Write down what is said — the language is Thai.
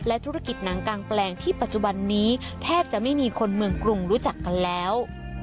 ธุรกิจหนังกางแปลงที่ปัจจุบันนี้แทบจะไม่มีคนเมืองกรุงรู้จักกันแล้ว